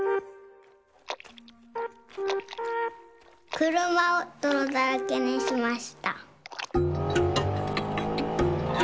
くるまをどろだらけにしました。